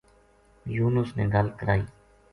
یونس نے گل کرائی